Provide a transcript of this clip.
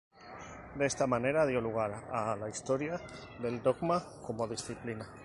De esta manera dio lugar a la historia del dogma como disciplina.